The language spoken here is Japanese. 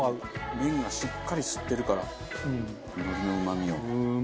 麺がしっかり吸ってるから海苔のうまみを。